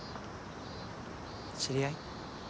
知り合い？